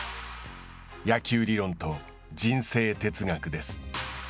野球理論と人生哲学です。